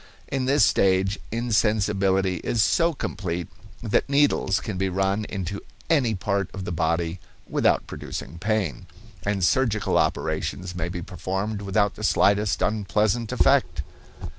In this stage insensibility is so complete that needles can be run into any part of the body without producing pain, and surgical operations may be performed without the slightest unpleasant effect.